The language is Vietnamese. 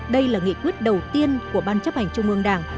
đây là nghị quyết đầu tiên của ban chấp hành trung ương đảng